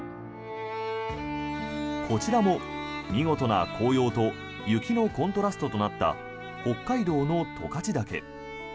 こちらも見事な紅葉と雪のコントラストとなった北海道の十勝岳。